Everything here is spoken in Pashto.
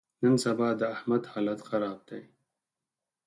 نن سبا د احمد حالت خراب دی.